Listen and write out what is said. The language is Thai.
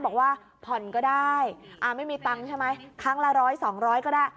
บอกว่าผ่อนก็ได้ไม่มีตังค์ใช่ไหมครั้งละร้อยสองร้อยก็ได้